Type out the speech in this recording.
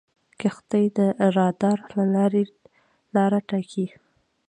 کښتۍ د رادار له لارې لاره ټاکي.